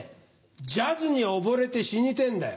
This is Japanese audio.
ジャズに溺れて死にてぇんだよ。